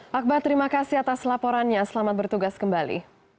pak akbar terima kasih atas laporannya selamat bertugas kembali